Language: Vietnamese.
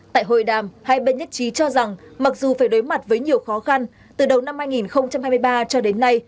tại hội đàm hai bên nhất trí cho rằng mặc dù phải đối mặt với nhiều khó khăn từ đầu năm hai nghìn hai mươi ba cho đến nay